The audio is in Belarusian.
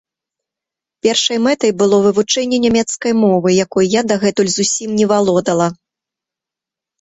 Першай мэтай было вывучэнне нямецкай мовы, якой я дагэтуль зусім не валодала.